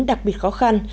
đặc biệt khó khăn